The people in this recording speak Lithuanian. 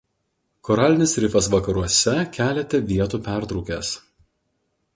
Koralinis rifas vakaruose kelete vietų pertrūkęs.